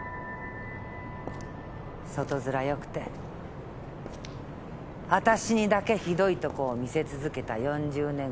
外面よくてわたしにだけひどいとこを見せ続けた４０年間。